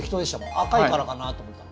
赤いからかなと思ったの。